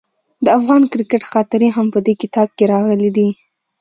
د افغان کرکټ خاطرې هم په دې کتاب کې راغلي دي.